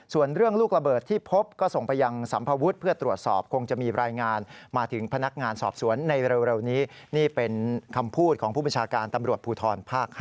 พูดของผู้บัญชาการตำรวจภูทรภาค๕